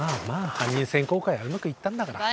犯人選考会はうまくいったんだから。